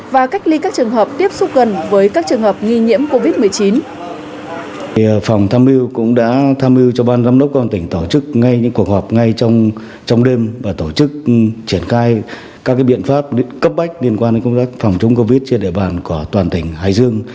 và cách ly các trường hợp tiếp xúc gần với các trường hợp nghi nhiễm covid một mươi chín